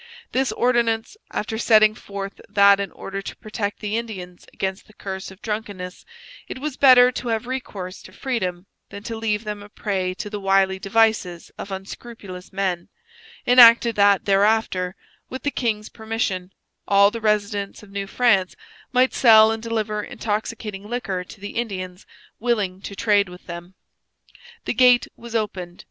This ordinance, after setting forth that in order to protect the Indians against the curse of drunkenness it was better to have recourse to freedom than to leave them a prey to the wily devices of unscrupulous men, enacted that thereafter, with the king's permission, all the residents of New France might sell and deliver intoxicating liquor to the Indians willing to trade with them. The gate was opened.